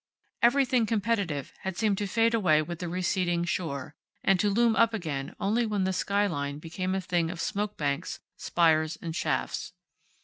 Everything competitive had seemed to fade away with the receding shore, and to loom up again only when the skyline became a thing of smoke banks, spires, and shafts.